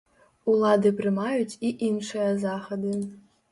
Улады прымаюць і іншыя захады.